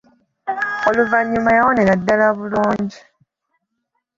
Oluvanyuma yawonera ddala bulungi.